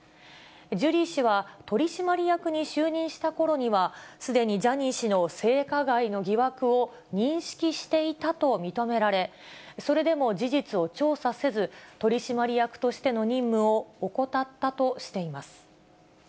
ジュリー氏は、取締役に就任したころには、すでにジャニー氏の性加害の疑惑を認識していたと認められ、それでも事実を調査せず、取締役としての任務を怠ったとしています。